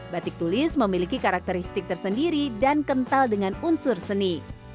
batik tulis memiliki karakteristik tersendiri dan kental dengan unsur seni